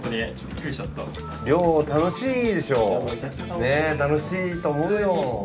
ねえ楽しいと思うよ。